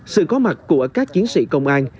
sự có mặt của các chiến sĩ công an